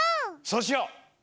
そうしよう！